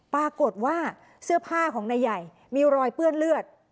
ปรากฏว่าเสื้อผ้าของนายใหญ่มีรอยเปื้อนเลือด